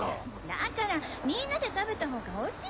だからみんなで食べたほうがおいしいじゃない。